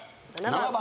７番。